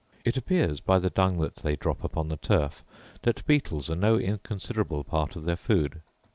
It appears, by the dung that they drop upon the turf, that beetles are no inconsiderable part of their food.